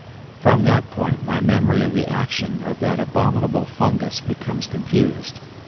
From that point my memory of the action of that abominable fungus becomes confused.